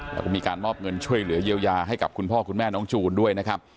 แล้วก็มีการมอบเงินช่วยเหลือเยียวยาให้กับคุณพ่อคุณแม่น้องจูนด้วยนะครับ